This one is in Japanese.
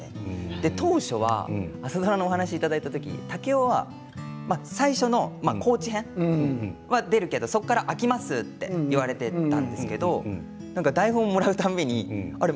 で当初は「朝ドラ」のお話頂いた時竹雄は最初の高知編は出るけどそこから空きますって言われてたんですけど何か台本もらうたんびにあれ？